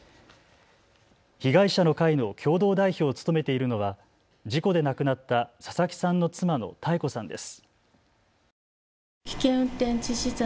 被害者の会の共同代表を務めているのは事故で亡くなった佐々木さんの妻の多恵子さんです。